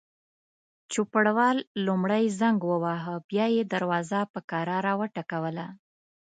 چوپړوال لومړی زنګ وواهه، بیا یې دروازه په کراره وټکوله.